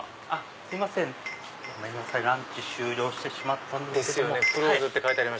すいませんごめんなさいランチ終了してしまったんです。